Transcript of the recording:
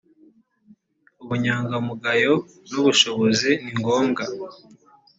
ubunyangamugayo n’ubushobozi ni ngombwa